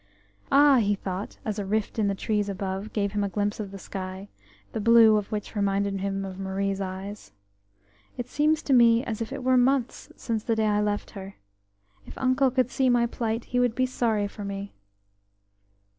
"Ah," he thought, as a rift in the trees above gave him a glimpse of the sky, the blue of which reminded him of Marie's eyes, "it seems to me as if it were months since the day I left her. If uncle could see my plight, he would be sorry for me."